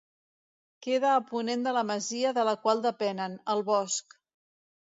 Queda a ponent de la masia de la qual depenen, el Bosc.